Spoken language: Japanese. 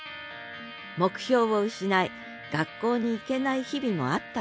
目標を失い学校に行けない日々もあったという萌晏さん。